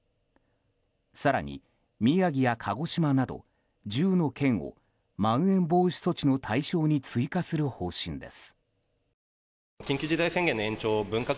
更に宮城や鹿児島など１０の県をまん延防止措置の対象に追加する方針です。